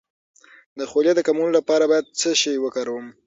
د خولې د کمولو لپاره باید څه شی وکاروم؟